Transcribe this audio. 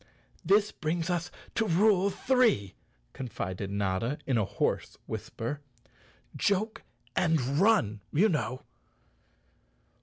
"This brings us to rule three," confided Notta in a hoarse whisper. "Joke and run, you know!"